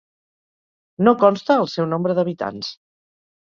No consta el seu nombre d'habitants.